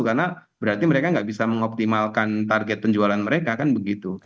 karena berarti mereka nggak bisa mengoptimalkan target penjualan mereka kan begitu